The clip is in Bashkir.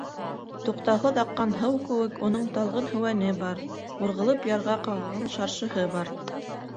Туҡтауһыҙ аҡҡан һыу кеүек, уның талғын һеүәне бар, урғылып ярға ҡағылған шаршыһы бар.